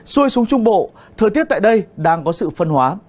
xuôi xuống trung bộ thời tiết tại đây đang có sự phân hóa